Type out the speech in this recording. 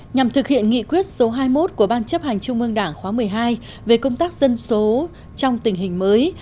nhằm thực hiện nghị quyết số hai mươi một của ban chấp hành trung ương đảng khóa một mươi hai về công tác dân số trong tình hình mới